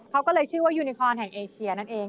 เขาก็เลยชื่อว่ายูนิคอนแห่งเอเชียนั่นเอง